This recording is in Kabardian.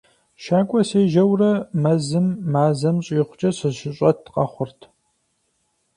ЩакӀуэ сежьэурэ, мэзым мазэм щӀигъукӀэ сыщыщӀэт къэхъурт.